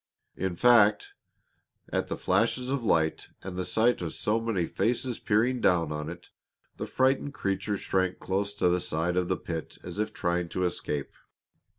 In fact, at the flashes of light and the sight of so many faces peering down on it, the frightened creature shrank close to the side of the pit as if trying to escape.